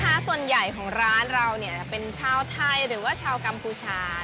ส่วนใหญ่ของร้านเราเนี่ยเป็นชาวไทยหรือว่าชาวกัมพูชา